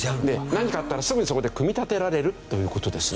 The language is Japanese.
何かあったらすぐにそこで組み立てられるという事ですね。